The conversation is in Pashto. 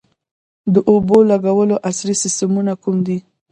د اوبو لګولو عصري سیستمونه کوم دي؟